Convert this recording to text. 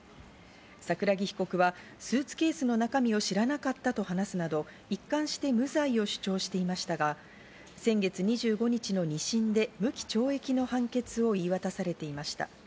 桜木被告はスーツケースの中身を知らなかったと話すなど、一貫して無罪を主張していましたが、先月２５日の２審で無期懲役の判決を言い渡されていました。